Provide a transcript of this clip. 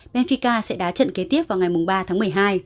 menfika sẽ đá trận kế tiếp vào ngày ba tháng một mươi hai